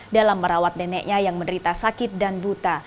dalam merawat neneknya yang menderita sakit dan buta